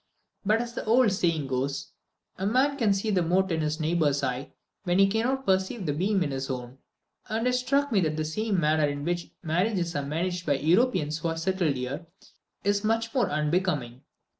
But as the old saying goes "A man can see the mote in his neighbour's eye when he cannot perceive the beam in his own;" and it struck me that the manner in which marriages are managed among the Europeans who are settled here, is much more unbecoming.